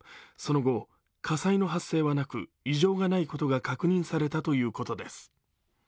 その後、火災の発生はなく異常がないことが確認されたということです。